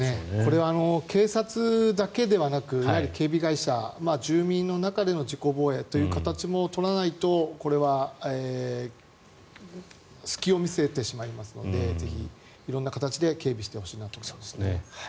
これは警察だけではなく警備会社、住民の中での自己防衛という形も取らないとこれは隙を見せてしまいますのでぜひ色んな形で警備したいと思いますね。